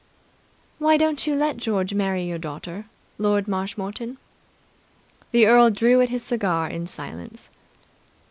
"Why don't you let George marry your daughter, Lord Marshmoreton?" The earl drew at his cigar in silence.